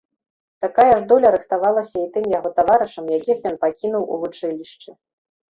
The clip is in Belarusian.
Такая ж доля рыхтавалася і тым яго таварышам, якіх ён пакінуў у вучылішчы.